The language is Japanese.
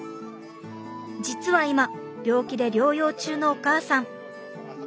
実は今病気で療養中のお母さん。